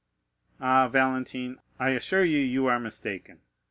"Ah, Valentine, I assure you you are mistaken."